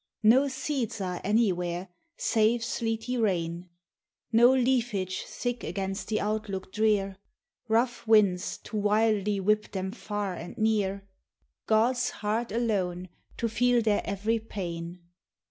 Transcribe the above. No seeds are anywhere, save sleety rain, No leafage thick against the outlook drear; Rough winds to wildly whip them far and near; God's heart alone to feel their every pain.